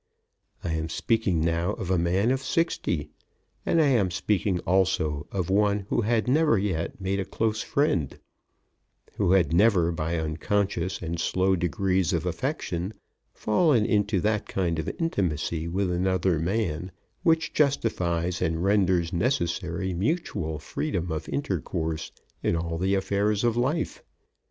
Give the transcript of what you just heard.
I am speaking now of a man of sixty, and I am speaking also of one who had never yet made a close friend, who had never by unconscious and slow degrees of affection fallen into that kind of intimacy with another man which justifies and renders necessary mutual freedom of intercourse in all the affairs of life.